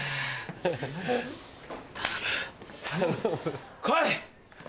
頼むこい！